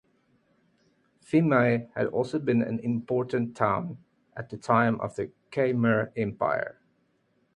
Phimai had also been an important town at the time of the Khmer empire.